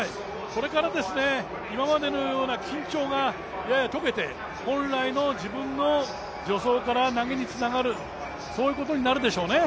これから今までのような緊張がやや解けて、本来の自分の助走から投げにつながる、そういうことになるでしょうね。